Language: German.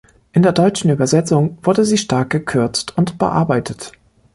In der deutschen Übersetzung wurde sie stark gekürzt und bearbeitet.